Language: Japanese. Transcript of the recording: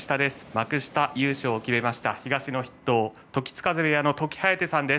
幕下優勝を決めました東の筆頭時津風部屋の時疾風さんです。